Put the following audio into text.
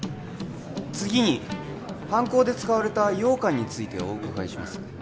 次に犯行で使われた羊羹についておうかがいします